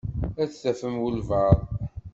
Ad tafem walebɛaḍ.